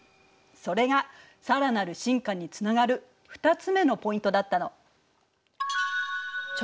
それが更なる進化につながる２つ目のポイントだったの。